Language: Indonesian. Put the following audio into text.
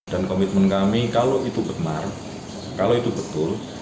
dan komitmen kami kalau itu benar kalau itu betul